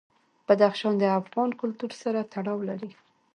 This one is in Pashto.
بدخشان د افغان کلتور سره تړاو لري.